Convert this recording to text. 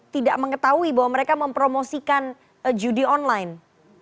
tidak mengetahui bahwa mereka mempromosikan judi online